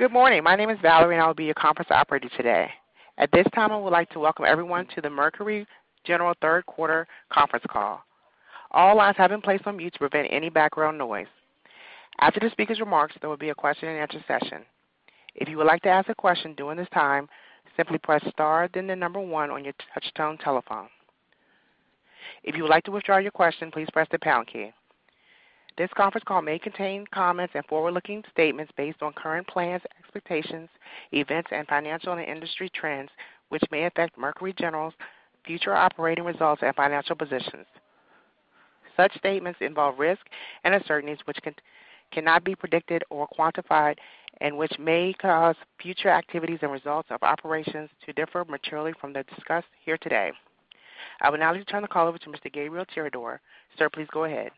Good morning. My name is Valerie, and I'll be your conference operator today. At this time, I would like to welcome everyone to the Mercury General third quarter conference call. All lines have been placed on mute to prevent any background noise. After the speaker's remarks, there will be a question-and-answer session. If you would like to ask a question during this time, simply press star, then the number one on your touchtone telephone. If you would like to withdraw your question, please press the pound key. This conference call may contain comments and forward-looking statements based on current plans, expectations, events, and financial and industry trends, which may affect Mercury General's future operating results and financial positions. Such statements involve risks and uncertainties which cannot be predicted or quantified and which may cause future activities and results of operations to differ materially from the discussed here today. I would now like to turn the call over to Mr. Gabriel Tirador. Sir, please go ahead.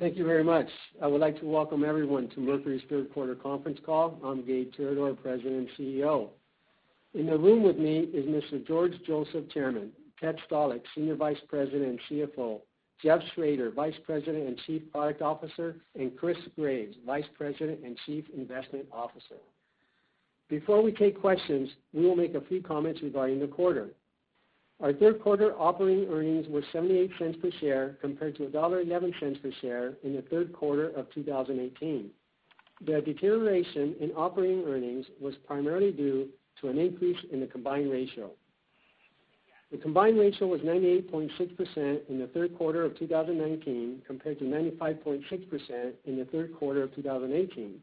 Thank you very much. I would like to welcome everyone to Mercury's third quarter conference call. I'm Gabe Tirador, President and CEO. In the room with me is Mr. George Joseph, Chairman, Ted Stalick, Senior Vice President and CFO, Jeff Schroeder, Vice President and Chief Product Officer, and Chris Graves, Vice President and Chief Investment Officer. Before we take questions, we will make a few comments regarding the quarter. Our third quarter operating earnings were $0.78 per share compared to $1.11 per share in the third quarter of 2018. The deterioration in operating earnings was primarily due to an increase in the combined ratio. The combined ratio was 98.6% in the third quarter of 2019 compared to 95.6% in the third quarter of 2018.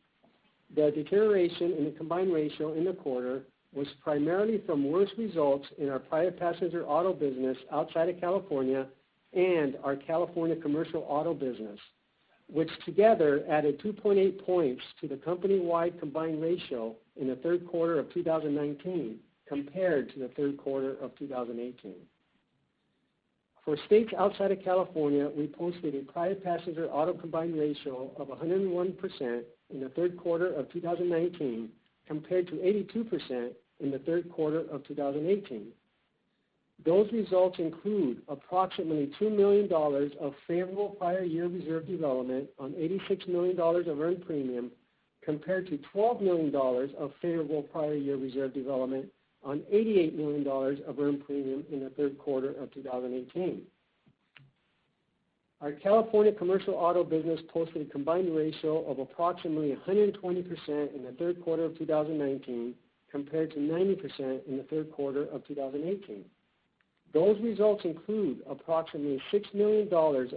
The deterioration in the combined ratio in the quarter was primarily from worse results in our private passenger auto business outside of California and our California commercial auto business, which together added 2.8 points to the company-wide combined ratio in the third quarter of 2019 compared to the third quarter of 2018. For states outside of California, we posted a private passenger auto combined ratio of 101% in the third quarter of 2019 compared to 82% in the third quarter of 2018. Those results include approximately $2 million of favorable prior year reserve development on $86 million of earned premium, compared to $12 million of favorable prior year reserve development on $88 million of earned premium in the third quarter of 2018. Our California commercial auto business posted a combined ratio of approximately 120% in the third quarter of 2019 compared to 90% in the third quarter of 2018. Those results include approximately $6 million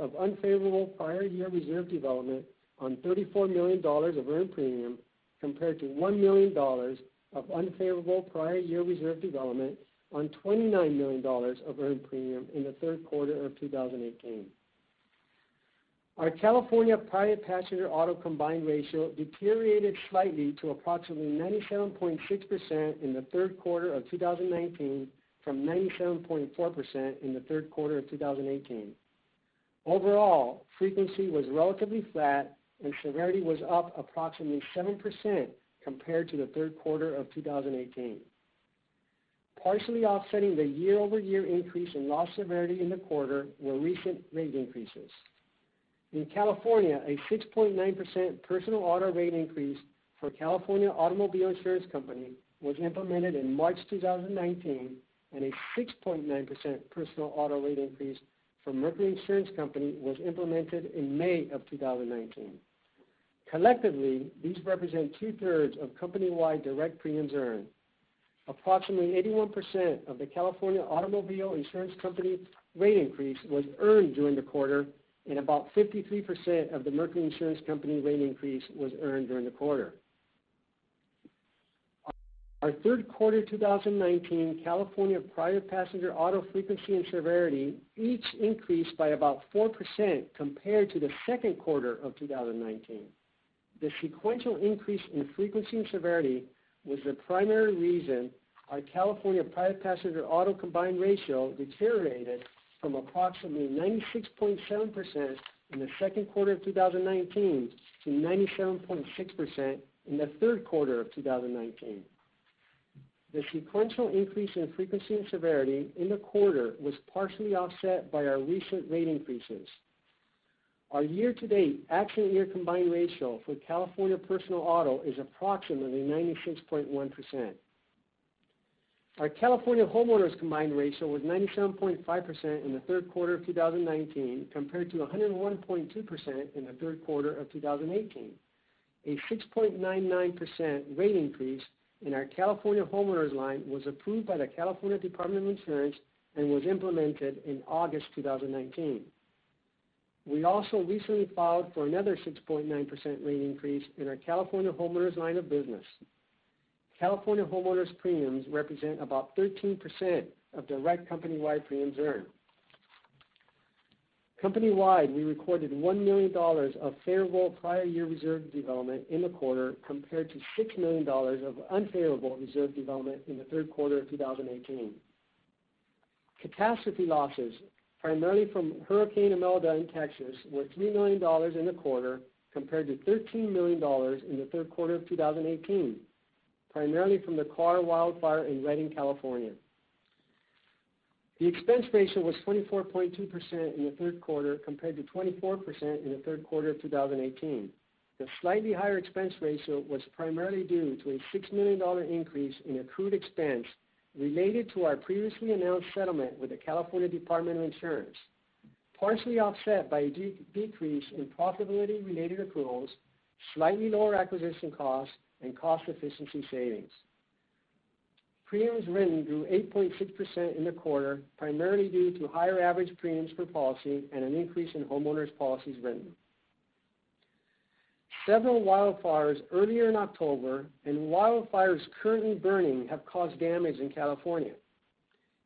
of unfavorable prior year reserve development on $34 million of earned premium, compared to $1 million of unfavorable prior year reserve development on $29 million of earned premium in the third quarter of 2018. Our California private passenger auto combined ratio deteriorated slightly to approximately 97.6% in the third quarter of 2019 from 97.4% in the third quarter of 2018. Overall, frequency was relatively flat, and severity was up approximately 7% compared to the third quarter of 2018. Partially offsetting the year-over-year increase in loss severity in the quarter were recent rate increases. In California, a 6.9% personal auto rate increase for California Automobile Insurance Company was implemented in March 2019, and a 6.9% personal auto rate increase for Mercury Insurance Company was implemented in May of 2019. Collectively, these represent two-thirds of company-wide direct premiums earned. Approximately 81% of the California Automobile Insurance Company rate increase was earned during the quarter, and about 53% of the Mercury Insurance Company rate increase was earned during the quarter. Our third quarter 2019 California private passenger auto frequency and severity each increased by about 4% compared to the second quarter of 2019. The sequential increase in frequency and severity was the primary reason our California private passenger auto combined ratio deteriorated from approximately 96.7% in the second quarter of 2019 to 97.6% in the third quarter of 2019. The sequential increase in frequency and severity in the quarter was partially offset by our recent rate increases. Our year-to-date accident year combined ratio for California personal auto is approximately 96.1%. Our California homeowners combined ratio was 97.5% in the third quarter of 2019 compared to 101.2% in the third quarter of 2018. A 6.99% rate increase in our California homeowners line was approved by the California Department of Insurance and was implemented in August 2019. We also recently filed for another 6.9% rate increase in our California homeowners line of business. California homeowners' premiums represent about 13% of direct company-wide premiums earned. Company-wide, we recorded $1 million of favorable prior year reserve development in the quarter compared to $6 million of unfavorable reserve development in the third quarter of 2018. Catastrophe losses, primarily from Hurricane Imelda in Texas, were $3 million in the quarter compared to $13 million in the third quarter of 2018, primarily from the Carr Wildfire in Redding, California. The expense ratio was 24.2% in the third quarter compared to 24% in the third quarter of 2018. The slightly higher expense ratio was primarily due to a $6 million increase in accrued expense related to our previously announced settlement with the California Department of Insurance, partially offset by a decrease in profitability-related accruals, slightly lower acquisition costs, and cost efficiency savings. Premiums written grew 8.6% in the quarter, primarily due to higher average premiums per policy and an increase in homeowners policies written. Several wildfires earlier in October and wildfires currently burning have caused damage in California.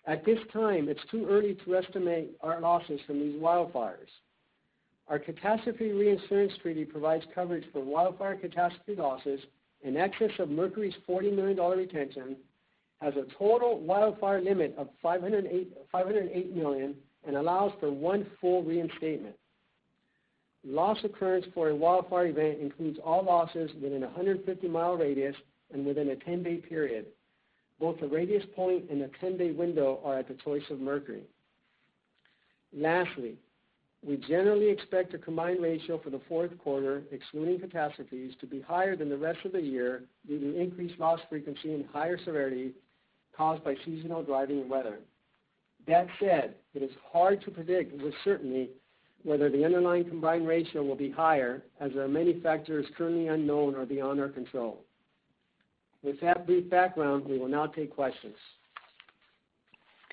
At this time, it's too early to estimate our losses from these wildfires. Our catastrophe reinsurance treaty provides coverage for wildfire catastrophe losses in excess of Mercury's $40 million retention, has a total wildfire limit of $508 million, and allows for one full reinstatement. Loss occurrence for a wildfire event includes all losses within a 150-mile radius and within a 10-day period. Both the radius point and the 10-day window are at the choice of Mercury. Lastly, we generally expect a combined ratio for the fourth quarter, excluding catastrophes, to be higher than the rest of the year due to increased loss frequency and higher severity caused by seasonal driving and weather. That said, it is hard to predict with certainty whether the underlying combined ratio will be higher as there are many factors currently unknown or beyond our control. With that brief background, we will now take questions.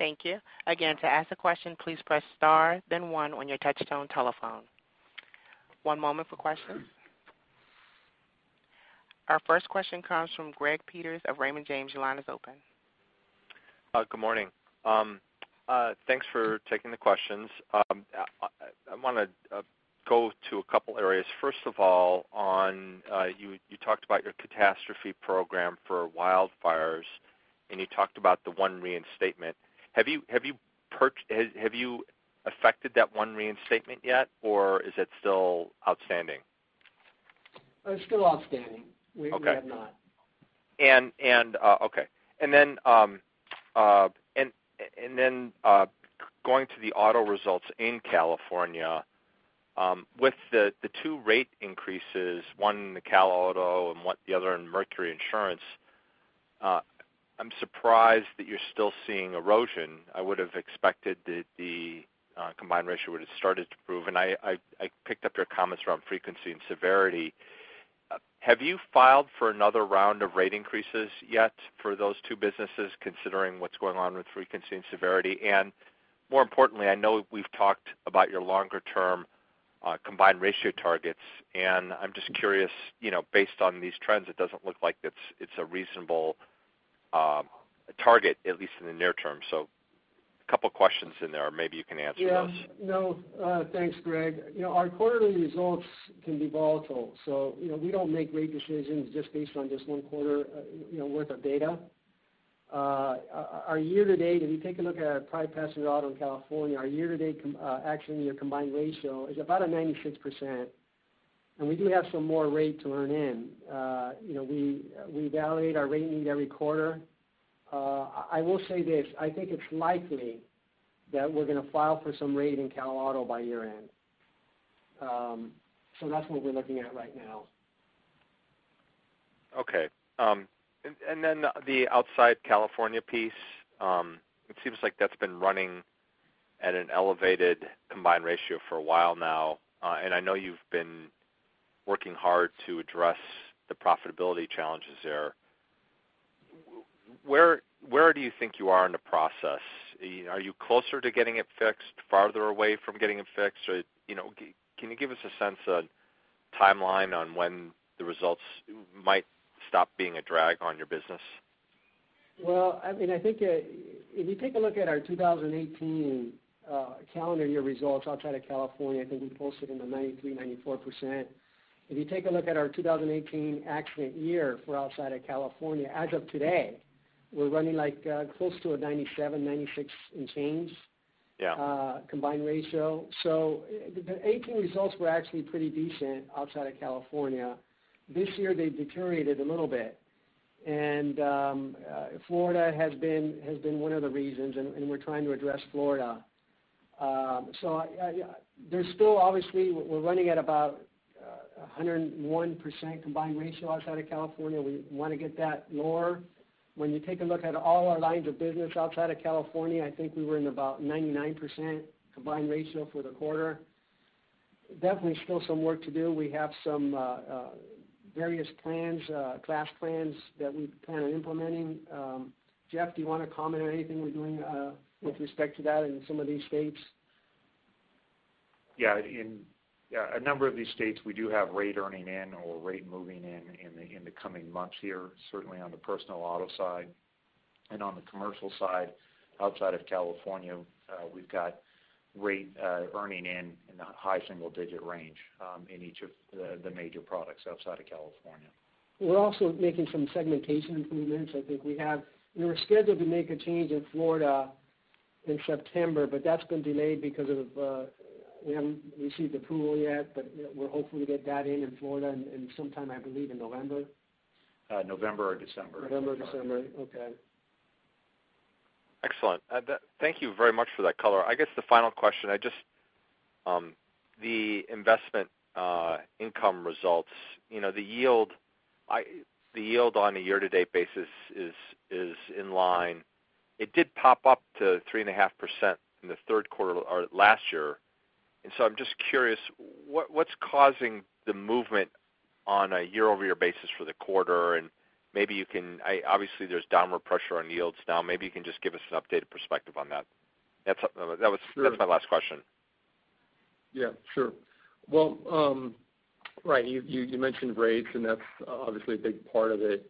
Thank you. Again, to ask a question, please press star then one on your touchtone telephone. One moment for questions. Our first question comes from Greg Peters of Raymond James. Your line is open. Good morning. Thanks for taking the questions. I want to go to a couple areas. First of all, you talked about your catastrophe program for wildfires, and you talked about the one reinstatement. Have you affected that one reinstatement yet, or is it still outstanding? It's still outstanding. Okay. We have not. Okay. Going to the auto results in California, with the two rate increases, one in the Cal Auto and the other in Mercury Insurance, I'm surprised that you're still seeing erosion. I would've expected that the combined ratio would've started to improve, and I picked up your comments around frequency and severity. Have you filed for another round of rate increases yet for those two businesses, considering what's going on with frequency and severity? More importantly, I know we've talked about your longer-term combined ratio targets, and I'm just curious, based on these trends, it doesn't look like it's a reasonable target, at least in the near term. A couple questions in there, or maybe you can answer those. Yeah. No. Thanks, Greg. Our quarterly results can be volatile, we don't make rate decisions just based on just one quarter worth of data. If you take a look at our prior passenger auto in California, our year-to-date action in the combined ratio is about a 96%, and we do have some more rate to earn in. We validate our rate need every quarter. I will say this, I think it's likely that we're going to file for some rate in Cal Auto by year-end. That's what we're looking at right now. Okay. The outside California piece, it seems like that's been running at an elevated combined ratio for a while now. I know you've been working hard to address the profitability challenges there. Where do you think you are in the process? Are you closer to getting it fixed, farther away from getting it fixed? Can you give us a sense, a timeline on when the results might stop being a drag on your business? If you take a look at our 2018 calendar year results outside of California, I think we posted in the 93%, 94%. If you take a look at our 2018 accident year for outside of California, as of today, we're running close to a 97%, 96% and change Yeah combined ratio. The 2018 results were actually pretty decent outside of California. This year, they've deteriorated a little bit. Florida has been one of the reasons, and we're trying to address Florida. Obviously, we're running at about 101% combined ratio outside of California. We want to get that lower. When you take a look at all our lines of business outside of California, I think we were in about 99% combined ratio for the quarter. Definitely still some work to do. We have some various plans, class plans that we plan on implementing. Jeff, do you want to comment on anything we're doing with respect to that in some of these states? Yeah. In a number of these states, we do have rate earning in or rate moving in in the coming months here, certainly on the personal auto side. On the commercial side, outside of California, we've got rate earning in in the high single-digit range in each of the major products outside of California. We're also making some segmentation improvements. We were scheduled to make a change in Florida in September, that's been delayed because we haven't received approval yet, we're hoping to get that in in Florida sometime, I believe, in November. November or December. November or December. Okay. Excellent. Thank you very much for that color. I guess the final question, the investment income results. The yield on a year-to-date basis is in line. It did pop up to 3.5% in the third quarter last year. I'm just curious, what's causing the movement on a year-over-year basis for the quarter? Obviously, there's downward pressure on yields now. Maybe you can just give us an updated perspective on that. That's my last question. Yeah, sure. Well, right, you mentioned rates, that's obviously a big part of it.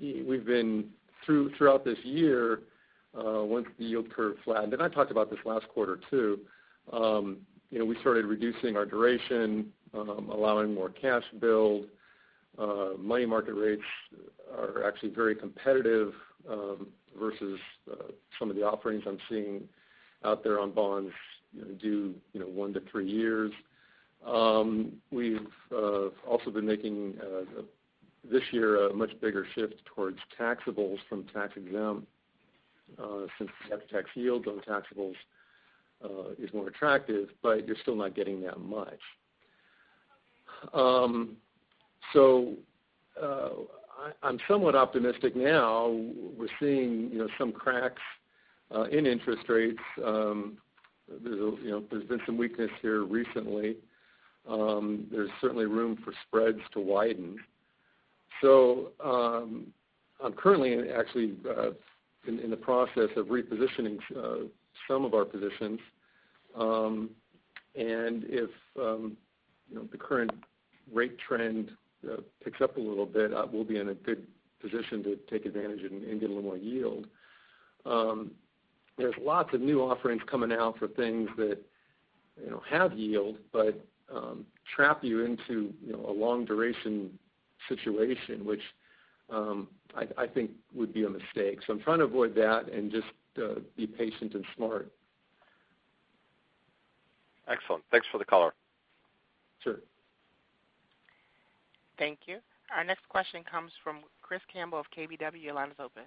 We've been, throughout this year, once the yield curve flattened. I talked about this last quarter, too. We started reducing our duration, allowing more cash build. Money market rates are actually very competitive versus some of the offerings I'm seeing out there on bonds due one to three years. We've also been making, this year, a much bigger shift towards taxables from tax-exempt, since the after-tax yields on taxables is more attractive, you're still not getting that much. I'm somewhat optimistic now. We're seeing some cracks in interest rates. There's been some weakness here recently. There's certainly room for spreads to widen. I'm currently actually in the process of repositioning some of our positions. If the current rate trend picks up a little bit, we'll be in a good position to take advantage and get a little more yield. There's lots of new offerings coming out for things that have yield, but trap you into a long-duration situation, which I think would be a mistake. I'm trying to avoid that and just be patient and smart. Excellent. Thanks for the color. Sure. Thank you. Our next question comes from Chris Campbell of KBW. Your line is open.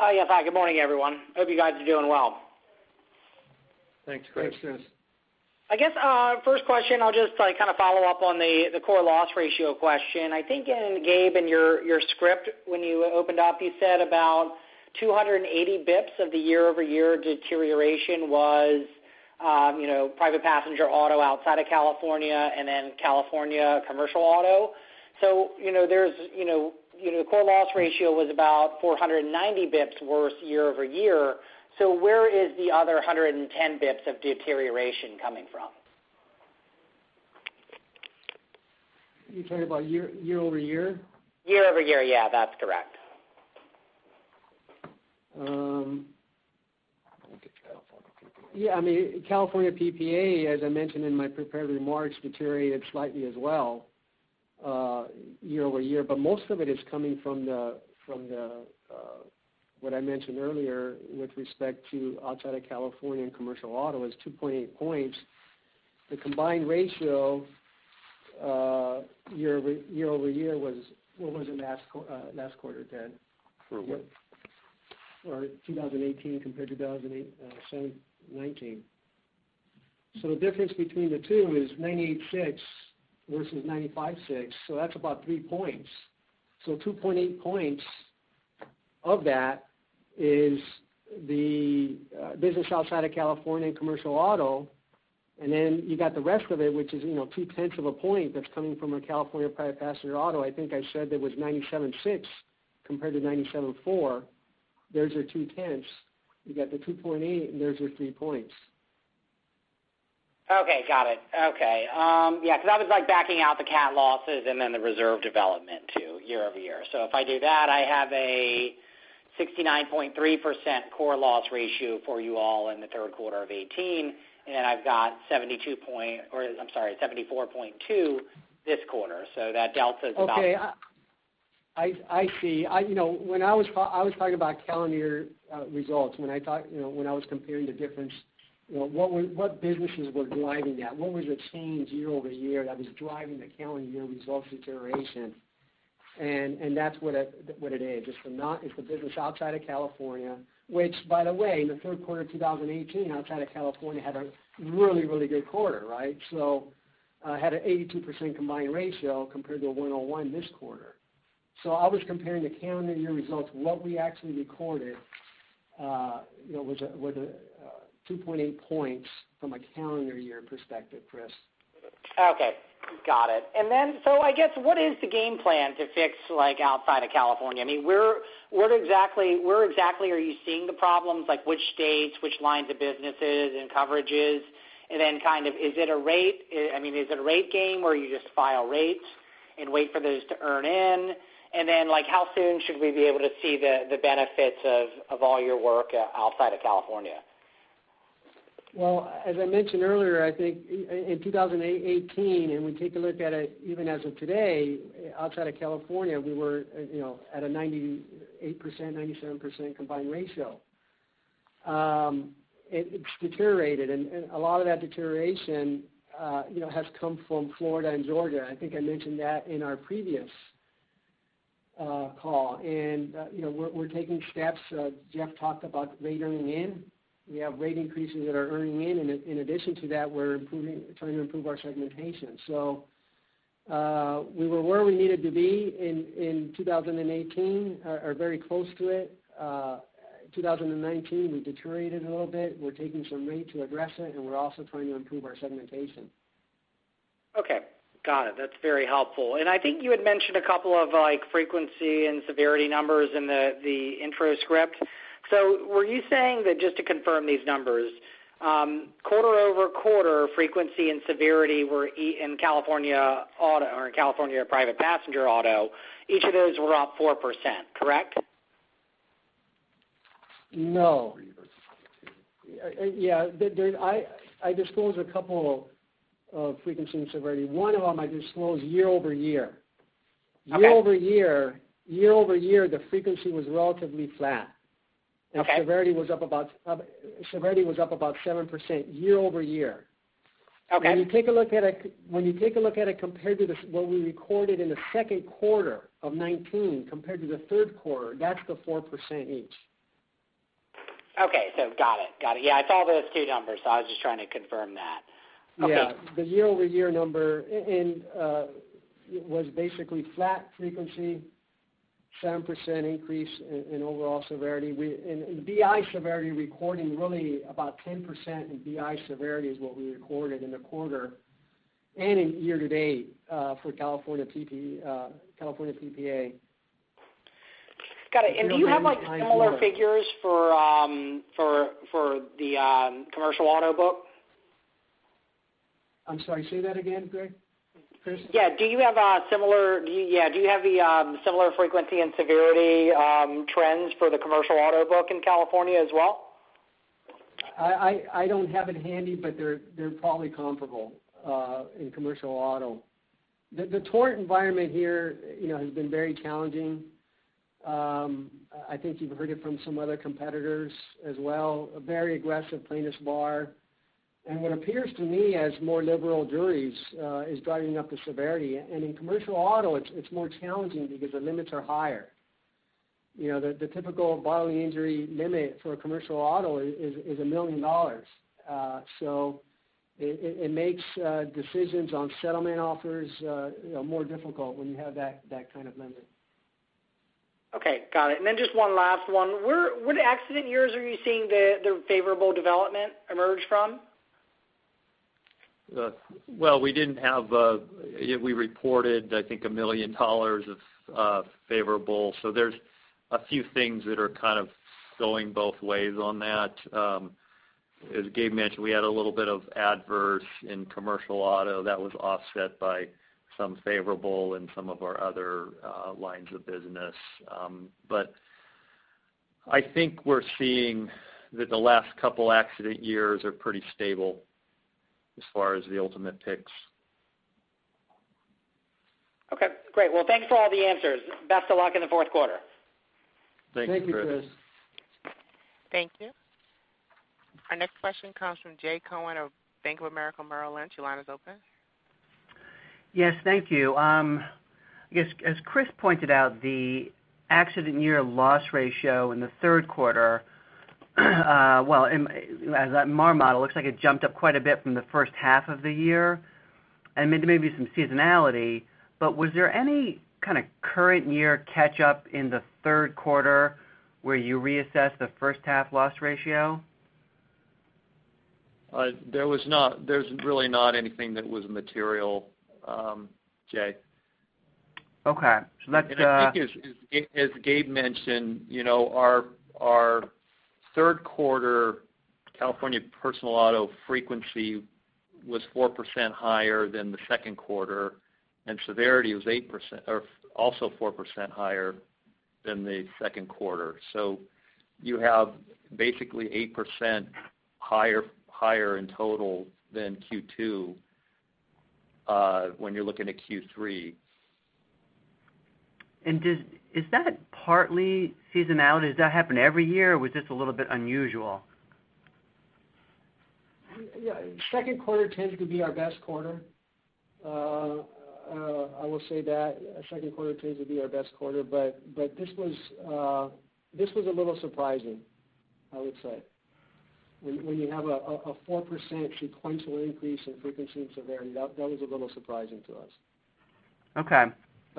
Yes, hi. Good morning, everyone. Hope you guys are doing well. Thanks, Chris. Thanks. I guess first question, I'll just kind of follow up on the core loss ratio question. I think, Gabe, in your script, when you opened up, you said about 280 basis points of the year-over-year deterioration was private passenger auto outside of California and then California commercial auto. Core loss ratio was about 490 basis points worse year-over-year. Where is the other 110 basis points of deterioration coming from? You're talking about year-over-year? Year-over-year, yeah. That's correct. Yeah. California PPA, as I mentioned in my prepared remarks, deteriorated slightly as well year-over-year. Most of it is coming from what I mentioned earlier with respect to outside of California and commercial auto is 2.8 points. The combined ratio year-over-year was, what was it last quarter, Ted? For what? For 2018 compared to 2019. The difference between the two is 98.6 versus 95.6, so that's about three points. 2.8 points of that is the business outside of California and commercial auto. You got the rest of it, which is two-tenths of a point that's coming from a California private passenger auto. I think I said that was 97.6 compared to 97.4. There's your two-tenths. You got the 2.8, and there's your three points. Okay, got it. Okay. Yeah, because I was backing out the cat losses and then the reserve development, too, year-over-year. If I do that, I have a 69.3% core loss ratio for you all in the third quarter of 2018. I've got 74.2 this quarter. That delta is about- Okay. I see. I was talking about calendar year results when I was comparing the difference, what businesses were driving that? What was the change year-over-year that was driving the calendar year results deterioration? That's what it is. It's the business outside of California, which, by the way, in Q3 2018, outside of California had a really good quarter. Had an 82% combined ratio compared to 101 this quarter. I was comparing the calendar year results. What we actually recorded was 2.8 points from a calendar year perspective, Chris. Okay. Got it. I guess, what is the game plan to fix outside of California? Where exactly are you seeing the problems? Like which states? Which lines of businesses and coverages? Is it a rate game where you just file rates and wait for those to earn in? How soon should we be able to see the benefits of all your work outside of California? Well, as I mentioned earlier, I think in 2018, we take a look at it even as of today, outside of California, we were at a 98%, 97% combined ratio. It's deteriorated, a lot of that deterioration has come from Florida and Georgia. I think I mentioned that in our previous call. We're taking steps. Jeff talked about rate earning in. We have rate increases that are earning in. In addition to that, we're trying to improve our segmentation. We were where we needed to be in 2018, or very close to it. 2019, we deteriorated a little bit. We're taking some rate to address it, and we're also trying to improve our segmentation. Okay. Got it. That's very helpful. I think you had mentioned a couple of frequency and severity numbers in the intro script. Were you saying that, just to confirm these numbers, quarter-over-quarter frequency and severity were in California private passenger auto, each of those were up 4%, correct? No. Three versus two. Yeah. I disclosed a couple of frequency and severity. One of them I disclosed year-over-year. Okay. Year-over-year, the frequency was relatively flat. Okay. Severity was up about 7% year-over-year. Okay. When you take a look at it compared to what we recorded in the second quarter of 2019 compared to the third quarter, that's the 4% each. Okay. Got it. I saw those two numbers, I was just trying to confirm that. Okay. The year-over-year number was basically flat frequency, 7% increase in overall severity. In BI severity recording, really about 10% in BI severity is what we recorded in the quarter, and in year-to-date, for California PPA. Got it. Do you have similar figures for the commercial auto book? I'm sorry, say that again, Chris? Yeah. Do you have the similar frequency and severity trends for the commercial auto book in California as well? I don't have it handy, but they're probably comparable in commercial auto. The tort environment here has been very challenging. I think you've heard it from some other competitors as well, a very aggressive plaintiffs' bar. What appears to me as more liberal juries is driving up the severity. In commercial auto, it's more challenging because the limits are higher. The typical bodily injury limit for a commercial auto is $1 million. It makes decisions on settlement offers more difficult when you have that kind of limit. Okay. Got it. Just one last one. What accident years are you seeing the favorable development emerge from? We reported, I think, $1 million of favorable. There's a few things that are kind of going both ways on that. As Gabe mentioned, we had a little bit of adverse in commercial auto that was offset by some favorable in some of our other lines of business. I think we're seeing that the last couple accident years are pretty stable as far as the ultimate ticks. Okay, great. Well, thanks for all the answers. Best of luck in the fourth quarter. Thank you, Chris. Thank you, Chris. Thank you. Our next question comes from Jay Cohen of Bank of America Merrill Lynch. Your line is open. Yes, thank you. I guess as Chris pointed out, the accident year loss ratio in the third quarter, well, as that MAR model, looks like it jumped up quite a bit from the first half of the year, and maybe some seasonality. Was there any kind of current year catch up in the third quarter where you reassessed the first half loss ratio? There's really not anything that was material, Jay. Okay. I think as Gabe mentioned, our third quarter California personal auto frequency was 4% higher than the second quarter, and severity was also 4% higher than the second quarter. You have basically 8% higher in total than Q2 when you're looking at Q3. Is that partly seasonality? Does that happen every year, or was this a little bit unusual? Yeah. Second quarter tends to be our best quarter. I will say that. Second quarter tends to be our best quarter, this was a little surprising, I would say. When you have a 4% sequential increase in frequency and severity, that was a little surprising to us. Okay.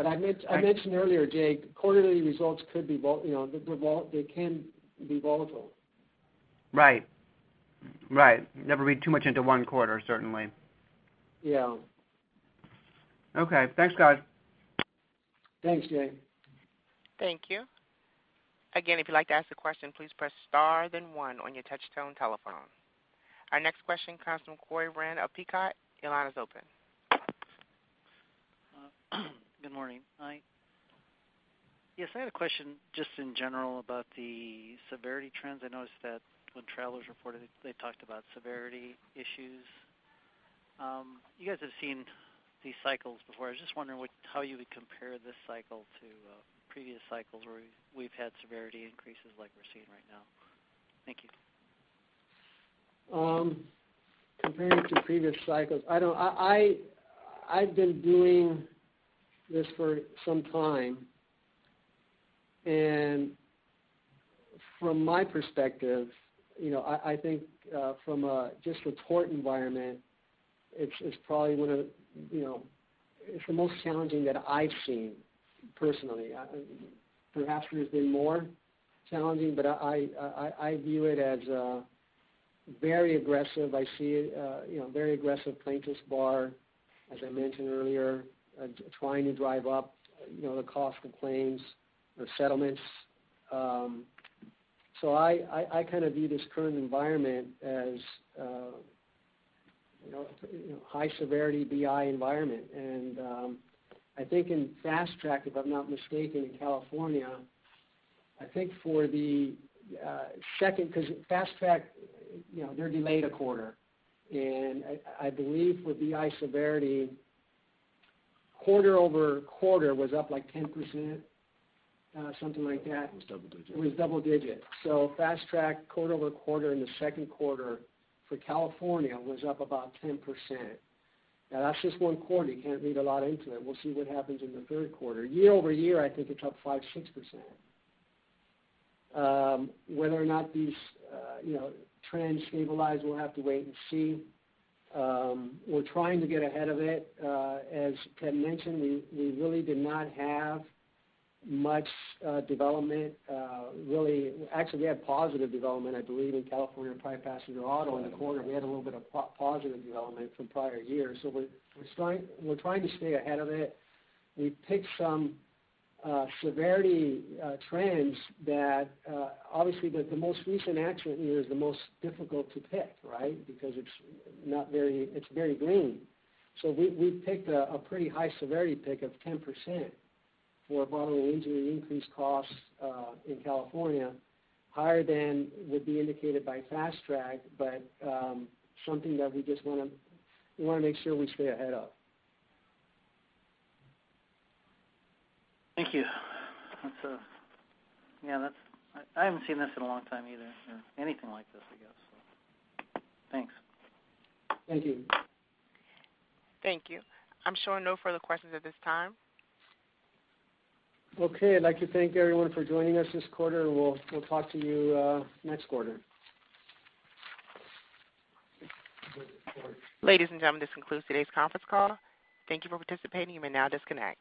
I mentioned earlier, Jay, quarterly results, they can be volatile. Right. Never read too much into one quarter, certainly. Yeah. Okay. Thanks, guys. Thanks, Jay. Thank you. Again, if you'd like to ask a question, please press star then one on your touch-tone telephone. Our next question comes from Corey Wren of Peacock. Your line is open. Good morning. Hi. Yes, I had a question just in general about the severity trends. I noticed that when Travelers reported, they talked about severity issues. You guys have seen these cycles before. I was just wondering how you would compare this cycle to previous cycles where we've had severity increases like we're seeing right now. Thank you. Compared to previous cycles, I've been doing this for some time, from my perspective, I think from a just tort environment, it's the most challenging that I've seen personally. Perhaps there's been more challenging, but I view it as very aggressive. I see a very aggressive plaintiffs bar, as I mentioned earlier, trying to drive up the cost of claims or settlements. I kind of view this current environment as a high-severity BI environment. I think in Fast Track, if I'm not mistaken, in California, I think for the second, because Fast Track, they're delayed a quarter, and I believe with BI severity, quarter-over-quarter was up like 10%, something like that. It was double-digit. It was double-digit. Fast Track quarter-over-quarter in the second quarter for California was up about 10%. That's just one quarter. You can't read a lot into it. We'll see what happens in the third quarter. Year-over-year, I think it's up 5%-6%. Whether or not these trends stabilize, we'll have to wait and see. We're trying to get ahead of it. As Ken mentioned, we really did not have much development, really. Actually, we had positive development, I believe, in California, probably passenger auto in the quarter. We had a little bit of positive development from prior years. We're trying to stay ahead of it. We picked some severity trends that obviously the most recent accident year is the most difficult to pick, right? Because it's very green. We picked a pretty high severity pick of 10% for bodily injury increase costs in California, higher than would be indicated by Fast Track, but something that we just want to make sure we stay ahead of. Thank you. I haven't seen this in a long time either, or anything like this, I guess. Thanks. Thank you. Thank you. I'm showing no further questions at this time. Okay. I'd like to thank everyone for joining us this quarter. We'll talk to you next quarter. Ladies and gentlemen, this concludes today's conference call. Thank you for participating. You may now disconnect.